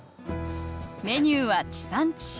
メニューは地産地消。